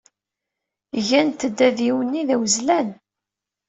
Gant d adiwenni d awezlan.